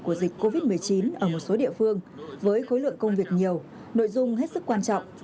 của dịch covid một mươi chín ở một số địa phương với khối lượng công việc nhiều nội dung hết sức quan trọng